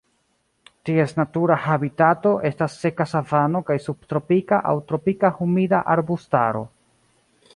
Ties natura habitato estas seka savano kaj subtropika aŭ tropika humida arbustaro.